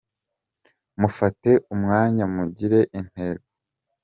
Mufate umwanya mugire intego